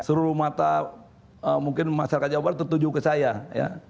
seluruh mata mungkin masyarakat jawa barat tertuju ke saya ya